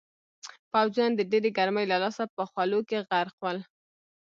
پوځیان د ډېرې ګرمۍ له لاسه په خولو کې غرق ول.